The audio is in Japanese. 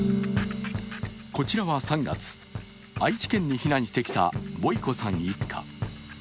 こちらは３月、愛知県に避難してきたボイコさん一家。